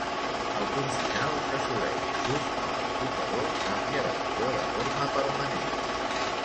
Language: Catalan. El punt final s'assoleix just quan l'indicador canvia de color de forma permanent.